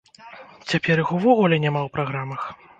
Цяпер іх увогуле няма ў праграмах?